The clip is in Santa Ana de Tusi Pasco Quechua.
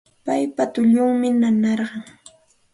Paypa tullunmi nanarqan